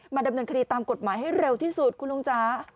ดำเนินคดีตามกฎหมายให้เร็วที่สุดคุณลุงจ๋า